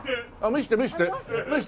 見せて見せて。